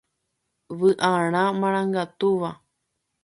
Vy'arã marangatúva.